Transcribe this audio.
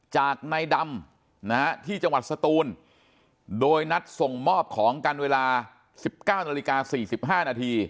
จากในดำที่จังหวัดสตูนโดยนัดส่งมอบของกันเวลา๑๙นาฬิกา๔๕นาที